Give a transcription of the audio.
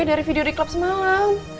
dari video di klub semalam